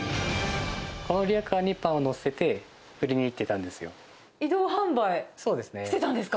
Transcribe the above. このリヤカーにパンを載せて移動販売してたんですか？